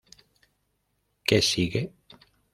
Que sigue.